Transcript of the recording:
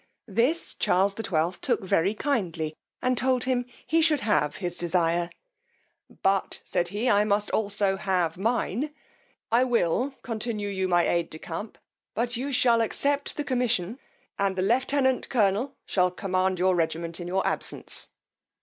This Charles XII. took very kindly, and told him, he should have his desire; but, said he, I must also have mine: I will continue you my aid de camp, but you shall accept the commission, and the lieutenant colonel shall command the regiment in your absence.